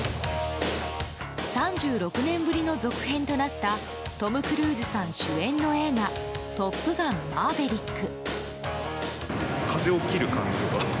３６年ぶりの続編となったトム・クルーズさん主演の映画「トップガンマーヴェリック」。